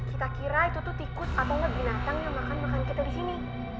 kita kira itu tuh tikus atau nggak binatang yang makan makan kita di sini